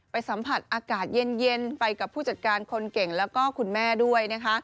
สัมผัสอากาศเย็นไปกับผู้จัดการคนเก่งแล้วก็คุณแม่ด้วยนะคะ